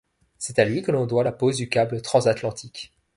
C’est à lui que l’on doit la pose du câble transatlantique.